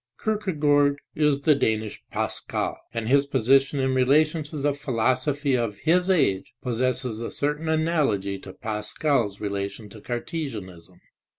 Kierke gaard is the Danish Pascal, and his position in relation to the philosophy of his age possesses a certain analogy to Pascal s relation to Cartesianism.